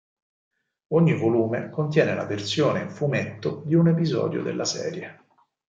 Ogni volume contiene la versione in fumetto di un episodio della serie.